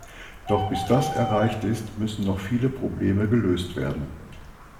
Doch bis das erreicht ist, müssen noch viele Probleme gelöst werden.